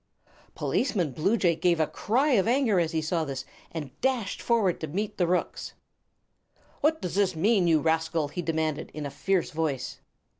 Policeman Bluejay gave a cry of anger as he saw this, and dashed forward to meet the rooks. "What does this mean, you rascal?" he demanded, in a fierce voice.